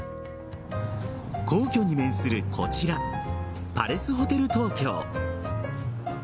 皇居に面するこちらパレスホテル東京。